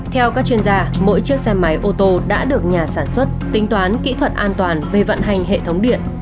theo các chuyên gia mỗi chiếc xe máy ô tô đã được nhà sản xuất tính toán kỹ thuật an toàn về vận hành hệ thống điện